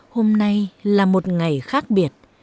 hôm nay là một ngày khác biệt